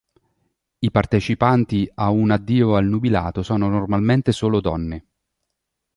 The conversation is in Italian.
I partecipanti a un addio al nubilato sono normalmente solo donne.